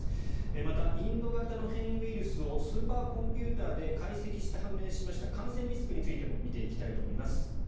また、インド型の変異ウイルスをスーパーコンピューターで解析して判明しました感染リスクについても見ていきたいと思います。